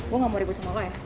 gue gak mau ribut semua lo ya